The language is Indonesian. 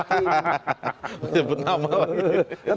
menyebut nama lagi